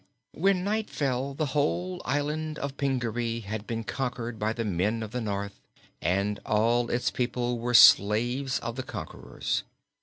When night fell the whole of the Island of Pingaree had been conquered by the men of the North, and all its people were slaves of the conquerors.